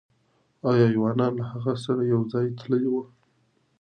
آیا ایوانان له هغه سره یو ځای تللي وو؟